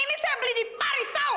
ini saya beli di paris tau